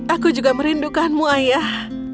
aku juga merindukanmu ayah